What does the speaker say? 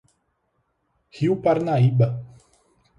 Rio Paranaíba